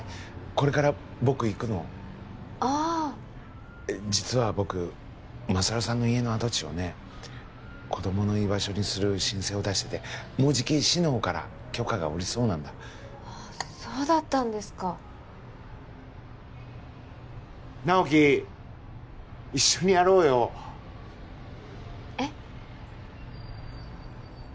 これから僕行くのああ実は僕勝さんの家の跡地をね子どもの居場所にする申請を出しててもうじき市のほうから許可が下りそうなんだああそうだったんですか直木一緒にやろうよえっ？